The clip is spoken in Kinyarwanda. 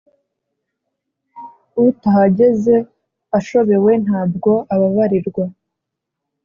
utahageze ashobewe ntabwo ababarirwa.